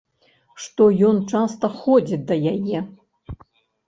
Што ён часта ходзіць да яе?